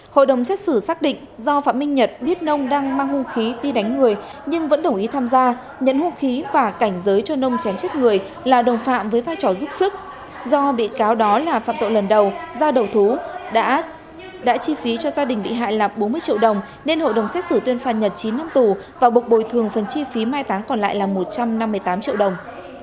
hội đồng xét xử xác định do phạm minh nhật biết nông đang mang hưu khí đi đánh người nhưng vẫn đồng ý tham gia nhận hưu khí và cảnh giới cho nông chém chết người là đồng phạm với vai trò giúp sức do bị cáo đó là phạm tội lần đầu ra đầu thú đã ác đã chi phí cho gia đình bị hại lạp bốn mươi triệu đồng nên hội đồng xét xử tuyên phàn nhật chín năm tù và bộc bồi thường phần chi phí mai tháng còn lại là một trăm năm mươi tám triệu đồng